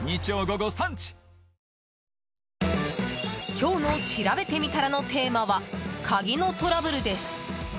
今日のしらべてみたらのテーマは、鍵のトラブルです。